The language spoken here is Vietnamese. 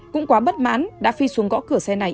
cũng quá bất mãn đã phi xuống gõ cửa xe này